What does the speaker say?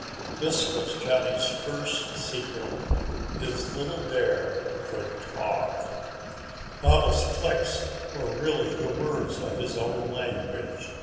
This was Johnny's first secret. His little bear could talk! Baba's clicks were really the words of his own language.